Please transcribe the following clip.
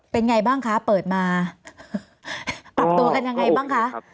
เป็นไงบ้างคะเปิดมาปรับตัวกันยังไงบ้างคะ